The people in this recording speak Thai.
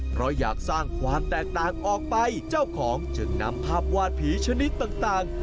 เพราะอยากสร้างความแตกต่างออกไปเจ้าของจึงนำภาพวาดผีชนิดต่าง